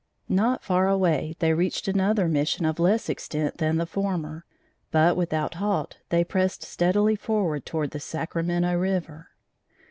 Not far away they reached another Mission of less extent than the former, but, without halt, they pressed steadily forward toward the Sacramento River.